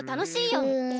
うん。